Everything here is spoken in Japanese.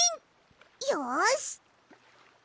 よし！